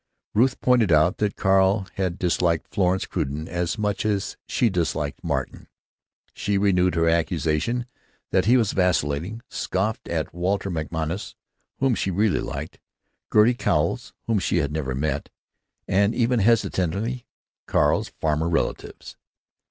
Ruth pointed out that Carl had disliked Florence Crewden as much as she had disliked Martin. She renewed her accusation that he was vacillating; scoffed at Walter MacMonnies (whom she really liked), Gertie Cowles (whom she had never met), and even, hesitatingly, Carl's farmer relatives.